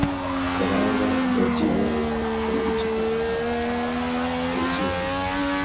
Karangwa yagiye kwitsa ikiganiro asanga yagiye